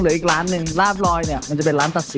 อีกร้านหนึ่งลาดลอยเนี่ยมันจะเป็นร้านตัดสิน